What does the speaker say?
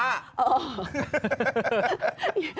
เมาหนัก